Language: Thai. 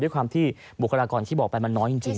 ด้วยความที่บุคลากรที่บอกไปมันน้อยจริง